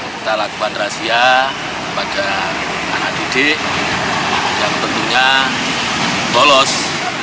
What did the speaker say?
kita lakukan razia bagi anak didik yang tentunya bolos